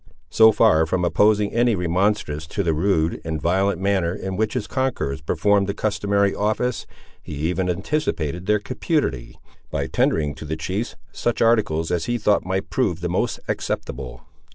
So far from opposing any remonstrance to the rude and violent manner in which his conquerors performed the customary office, he even anticipated their cupidity, by tendering to the chiefs such articles as he thought might prove the most acceptable.